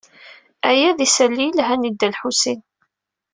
Aya d isali yelhan i Dda Lḥusin.